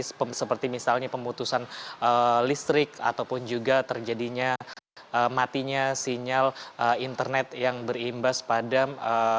seperti misalnya pemutusan listrik ataupun juga terjadinya matinya sinyal internet yang berimbas padam